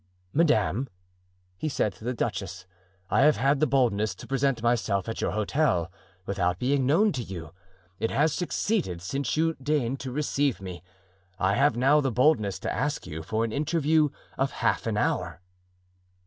"Madame," he said to the duchess, "I have had the boldness to present myself at your hotel without being known to you; it has succeeded, since you deign to receive me. I have now the boldness to ask you for an interview of half an hour."